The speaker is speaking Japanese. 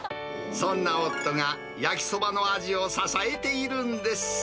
そんな夫が、焼きそばの味を支えているんです。